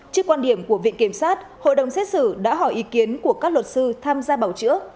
trước quan điểm của viện kiểm sát hội đồng xét xử đã hỏi ý kiến của các luật sư tham gia bảo chữa